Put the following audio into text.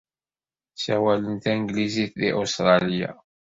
Ssawalen tanglizit deg Ustṛalya.